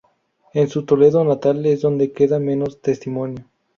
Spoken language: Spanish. En su Toledo natal es donde queda menos testimonio.